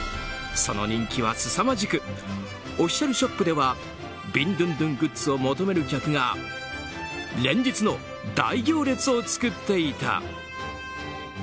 その人気はすさまじくオフィシャルショップではビンドゥンドゥングッズを求める客が連日の大行列を作っていた。